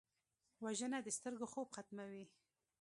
وژنه د سترګو خوب ختموي